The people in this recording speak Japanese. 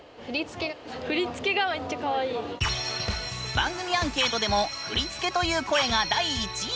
番組アンケートでも「振り付け」という声が第１位！